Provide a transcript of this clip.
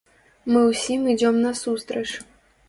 Мы ўсім ідзём насустрач.